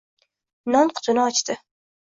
Non qutini ochdi